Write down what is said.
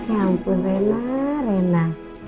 ya ampun rena rena